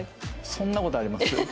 そんな事あります？